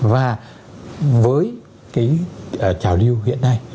và với cái trào lưu hiện nay